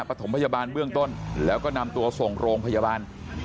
ประถมพยาบาลเบื้องต้นแล้วก็นำตัวส่งโรงพยาบาล